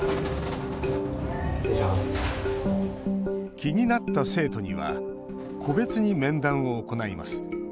気になった生徒には個別に面談を行います。